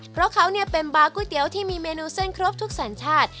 เพราะเขาเป็นบาร์ก๋วยเตี๋ยวที่มีเมนูเส้นครบทุกสัญชาติ